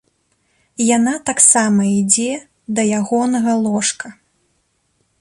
Яна таксама ідзе да ягонага ложка.